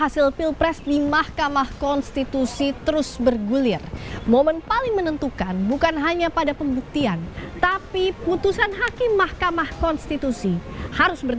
sidang sengketa hasil pilpres di mahkamah ketua dpp